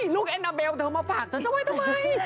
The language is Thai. ลูกเอนาเบลเธอมาฝากฉันทำไม